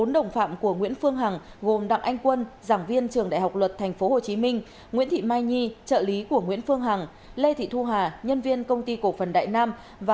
bốn đồng phạm của nguyễn phương hằng gồm đặng anh quân giảng viên trường đại học luật tp hcm nguyễn thị mai nhi trợ lý của nguyễn phương hằng lê thị thu hà nhân viên công ty cộng phần đại nam và huỳnh công tạp